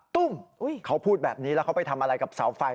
ตุ้มเขาพูดแบบนี้แล้วเขาไปทำอะไรกับเสาไฟ